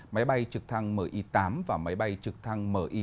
máy bay trực thăng mi tám và máy bay trực thăng mi một trăm bảy mươi một